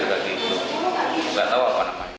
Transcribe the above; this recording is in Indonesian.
gak tahu apa namanya